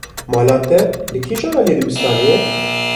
Mala te li kîjan aliyê dibistanê ye?